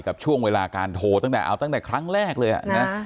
กับช่วงเวลาการโทรตั้งแต่ครั้งแรกเลย